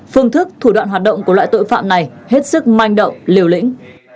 phương thức thủ đoạn hoạt động của loại tội phạm này hết sức manh động liều lĩnh